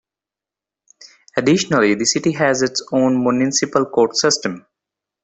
Additionally, the city has its own municipal court system.